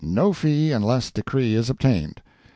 No fee unless decree is obtained.